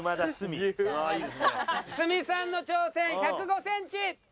鷲見さんの挑戦１０５センチ！